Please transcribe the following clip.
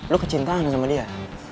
lo kecintaan sama dia